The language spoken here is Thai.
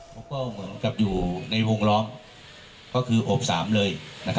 ก็เหมือนกับอยู่ในวงร้องก็คืออบ๓เลย